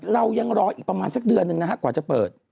เรายังรออีกประมาณสักเดือนหนึ่งนะครับกว่าจะเปิด